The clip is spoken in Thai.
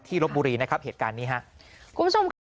ที่รบบุรีนะครับเหตุการณ์นี้ครับ